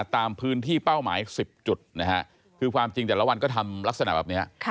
ตามพื้นที่เป้าหมาย๑๐จุดนะฮะคือความจริงแต่ละวันก็ทำลักษณะแบบนี้